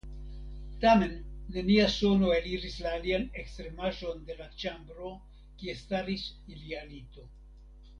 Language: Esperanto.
Tamen nenia sono eliris la alian ekstremaĵon de la ĉambro kie staris ilia lito.